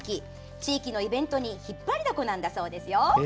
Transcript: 地域のイベントに引っ張りだこなんだそうですよ。